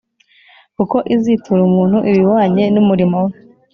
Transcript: kuko izitūra umuntu ibihwanye n’umurimo we